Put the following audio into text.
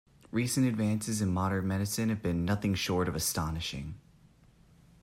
Recent advances in modern medicine have been nothing short of astonishing.